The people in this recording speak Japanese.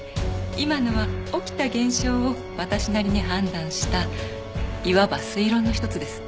今のは起きた現象を私なりに判断したいわば推論の一つです。